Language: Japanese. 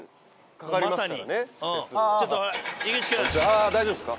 ああ大丈夫ですか？